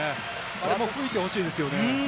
あれも吹いてほしいですよね。